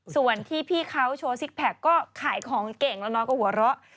ส่วนที่พี่เขาโชว์ซิกแพคก็ขายของเก่งแล้วน้องก็หัวเราะ